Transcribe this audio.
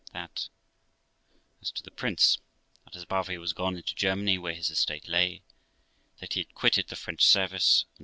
That as to the Prince ; that, as above, he was gone into Germany, where his estate lay; that he had quitted the French service, and